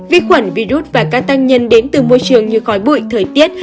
vi khuẩn virus và các tác nhân đến từ môi trường như khói bụi thời tiết